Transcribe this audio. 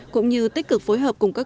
cũng như tích cực phối hợp cùng các cư dân